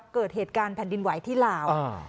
เกิดเหตุการณ์แผ่นดินไหวที่ลาว